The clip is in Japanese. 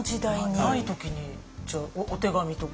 ない時にじゃあお手紙とか？